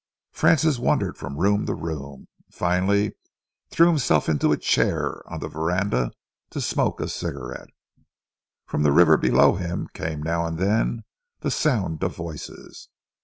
Francis wandered from room to room, and finally threw himself into a chair on the veranda to smoke a cigarette. From the river below him came now and then the sound of voices.